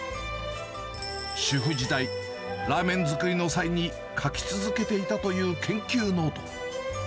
主婦時代、ラーメン作りの際に書き続けていたという研究ノート。